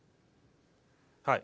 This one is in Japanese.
はい。